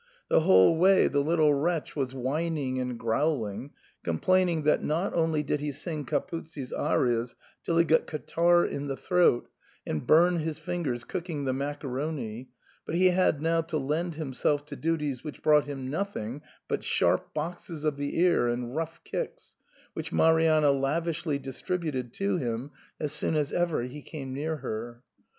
The whole way the little wretch was whining and growling, complain ing that not only did he sing Capuzzi*s arias till he got catarrh in the throat and bum his fingers cooking the macaroni, but he had now to lend himself to duties which brought him nothing but sharp boxes of the ear and rough kicks, which Marianna lavishly distributed to him as soon as ever he came near her.